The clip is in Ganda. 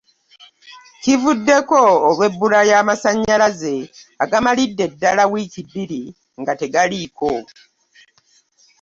Kivuddeko olw'ebbula ly'amasannyalaze agamalidde ddala wiiki bbiri nga tegaliiko